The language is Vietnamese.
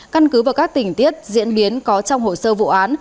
căn cứ vào các tình tiết diễn biến có trong hồ sơ vụ án